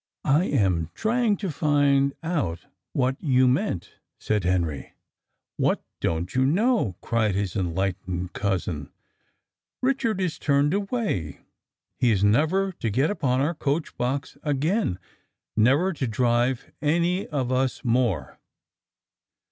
"I am trying to find out what you meant," said Henry. "What don't you know?" cried his enlightened cousin. "Richard is turned away; he is never to get upon our coach box again, never to drive any of us more."